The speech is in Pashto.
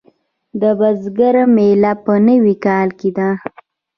د بزګر میله په نوي کال کې ده.